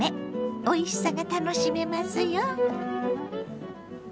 おいしさが楽しめますよ。